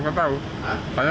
masih nggak tahu dong pak